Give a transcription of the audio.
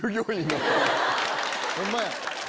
ホンマや。